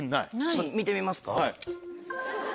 ちょっと見てみますか。